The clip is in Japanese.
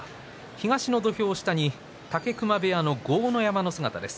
東の土俵下武隈部屋の豪ノ山の姿です。